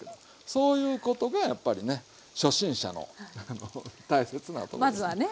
そういうことがやっぱりね初心者の大切なところですね。